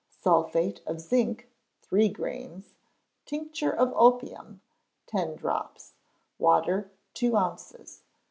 Sulphate of zinc, three grains; tincture of opium, ten drops; water, two ounces.